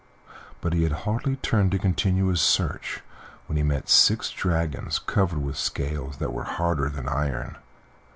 But he had hardly turned to continue his search when he met six dragons covered with scales that were harder than iron.